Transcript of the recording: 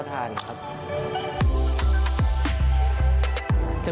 กลับมาก่อนสวัสดีครับ